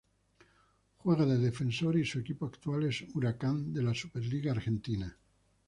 Juega de defensor y su equipo actual es Huracán de la Superliga Argentina.